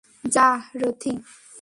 যা, রথি।